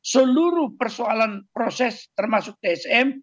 seluruh persoalan proses termasuk tsm